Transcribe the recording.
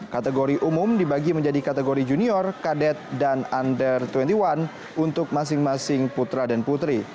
kategori umum dibagi menjadi kategori junior kadet dan under dua puluh satu untuk masing masing putra dan putri